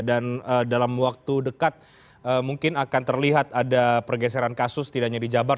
dan dalam waktu dekat mungkin akan terlihat ada pergeseran kasus tidak hanya di jabar